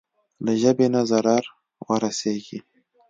له ژبې نه ضرر ورسېږي.